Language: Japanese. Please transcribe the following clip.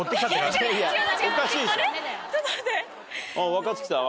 若槻さんは？